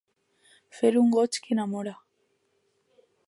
Fer un goig que enamora.